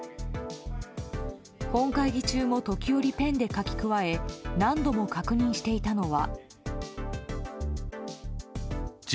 本会議中も時折ペンで書き加え何度も確認していたのは。